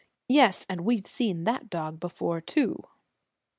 Yes, and we've seen that dog before, too!"